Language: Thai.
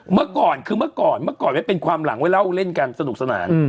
เมื่อก่อนคือเมื่อก่อนเมื่อก่อนไม่เป็นความหลังไว้เล่าเล่นกันสนุกสนาน